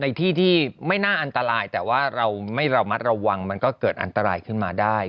ในที่ที่ไม่น่าอันตรายแต่ว่าเราไม่ระมัดระวังมันก็เกิดอันตรายขึ้นมาได้